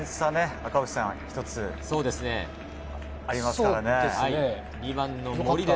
赤星さん、一つありますからね。